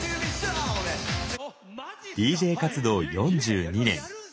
ＤＪ活動４２年。